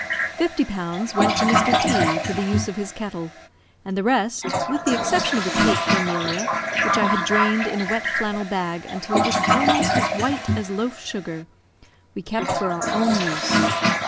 Fifty pounds went to Mr. T , for the use of his kettle; and the rest (with the exception of a cake for Emilia, which I had drained in a wet flannel bag until it was almost as white as loaf sugar), we kept for our own use.